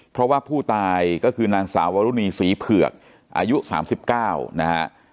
เพราะว่าผู้ตายก็คือนางสาววรุณีศรีเผือกอายุ๓๙นะฮะ